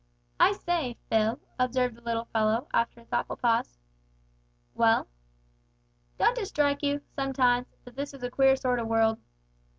"I say, Phil," observed the little fellow, after a thoughtful pause. "Well?" "Don't it strike you, sometimes, that this is a queer sort of world?"